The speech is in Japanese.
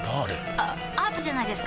あアートじゃないですか？